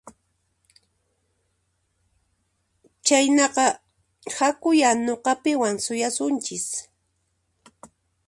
Chaynaqa hakuyá nuqapiwan suyasunchis